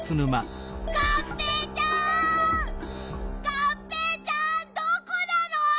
がんぺーちゃんどこなの？